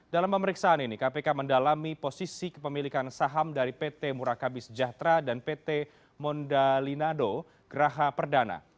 dalam pemeriksaan ini kpk mendalami posisi kepemilikan saham dari pt murakabi sejahtera dan pt mondalinado geraha perdana